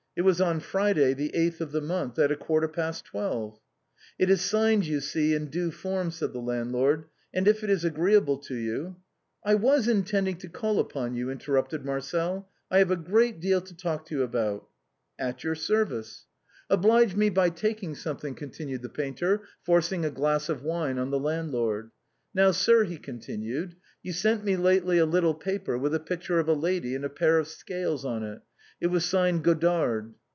" It was on Friday, the eighth of the month, at a quarter past twelve." " It is signed, you see, in due form," said the landlord ;" and if it is agreeable to you "" I was intending to call upon you," interrupted Marcel. " I have a great deal to talk to you about." " At your service." musette's fancies. 265 " Oblige me by taking something," continued the painter, forcing a glass of wine on the landlord. " Now, sir," he continued, "you sent me lately a little paper, with a picture of a lady and a pair of scales on it. It was signed Godard."